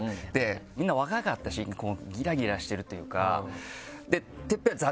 みんな若かったしギラギラしてるというか。